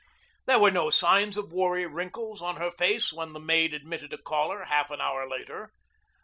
There were no signs of worry wrinkles on her face when the maid admitted a caller half an hour later.